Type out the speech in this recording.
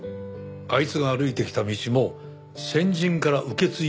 あいつが歩いてきた道も先人から受け継いだものだ。